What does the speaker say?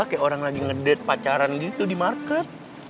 kayak orang lagi ngedet pacaran gitu di market